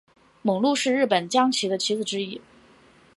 猛鹿是日本将棋的棋子之一。